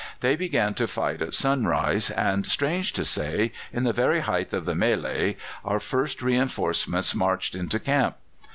They began to fight at sunrise, and, strange to say, in the very height of the mêlée our first reinforcements marched into camp!